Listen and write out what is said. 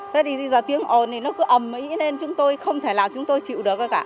thế thì giờ tiếng ồn nó cứ ẩm ý nên chúng tôi không thể nào chúng tôi chịu được cả